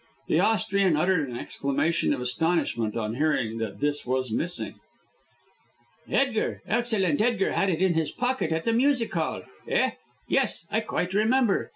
The Austrian uttered an exclamation of astonishment on hearing that this was missing. "Edgar, excellent Edgar, had it in his pocket at the music hall. Eh! yes, I quite remember.